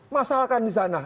masalkan di sana